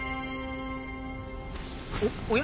おおや？